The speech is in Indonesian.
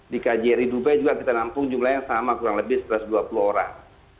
di kjri dubai juga kita nampung jumlahnya sama kurang lebih satu ratus dua puluh orang